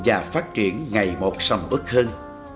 và phát triển ngày một sầm ướt hơn